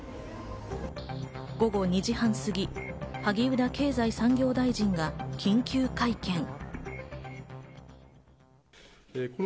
午後２時半過ぎ、萩生田経済産業大臣が緊急会見。